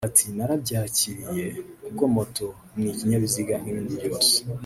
ati”Narabyakiriye kuko moto n’ikinyabiziga nk’ibindi byose